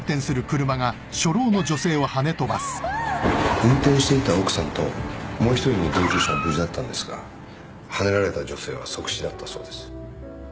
運転していた奥さんともう１人の同乗者は無事だったんですがはねられた女性は即死だったそうです。